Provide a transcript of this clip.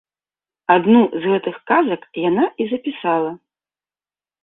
Адну з гэтых казак яна і запісала.